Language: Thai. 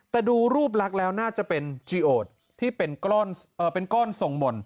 แต่ดูรูปลักษณ์แล้วน่าจะเป็นจีโอดที่เป็นก้อนส่งหม่น